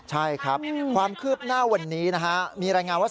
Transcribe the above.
ใช่ครับความคืบหน้าวันนี้นะฮะมีรายงานว่า